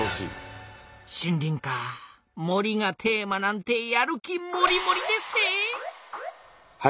森がテーマなんてやる気モリモリでっせ！